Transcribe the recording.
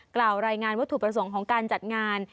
กล่าวรายงานวัตถุประสงค์ของการจัดงาน